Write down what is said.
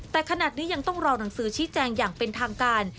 แต่ขนาดนี้ยังต้องรอหนังสือชี้แจงอย่างเป็นทางการ